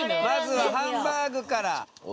まずはハンバーグから。